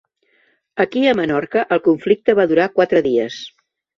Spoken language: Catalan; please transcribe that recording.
Aquí a Menorca el conflicte va durar quatre dies.